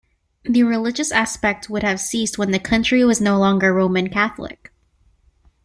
The religious aspect would have ceased when the country was no longer Roman Catholic.